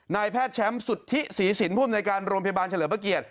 นายแพทย์แชมป์สุทธิศรีศิลปุ่มในการโรงพยาบาลเฉลิมประเกียจ